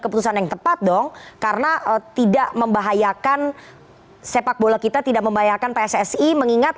keputusan yang tepat dong karena tidak membahayakan sepak bola kita tidak membahayakan pssi mengingat